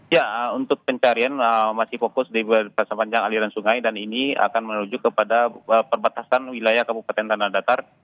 ya untuk pencarian masih fokus di sepanjang aliran sungai dan ini akan menuju kepada perbatasan wilayah kabupaten tanah datar